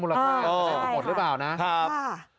มูลค้าหมดหรือเปล่านะครับ